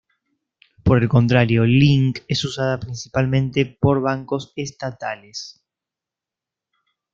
Por el contrario, Link es usada principalmente por bancos estatales.